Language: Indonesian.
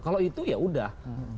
kalau itu ya sudah